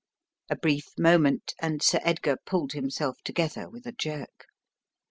A brief moment and Sir Edgar pulled himself tor gether with a jerk.